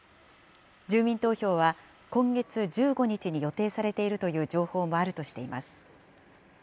住民投票は今月１５日に予定されているという情報もあるとしています。